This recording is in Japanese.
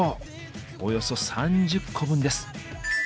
およそ３０個分です。